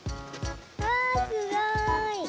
わすごい！